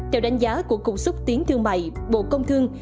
theo đánh giá của cục xúc tiến thương mại bộ công thương